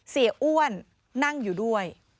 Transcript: เสียอ้วนนั่งอยู่ด้วย